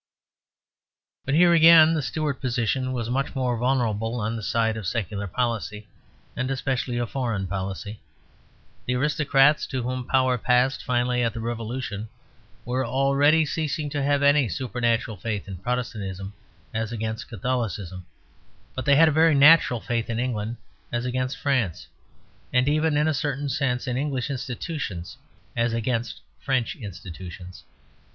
But here again the Stuart position was much more vulnerable on the side of secular policy, and especially of foreign policy. The aristocrats to whom power passed finally at the Revolution were already ceasing to have any supernatural faith in Protestantism as against Catholicism; but they had a very natural faith in England as against France; and even, in a certain sense, in English institutions as against French institutions.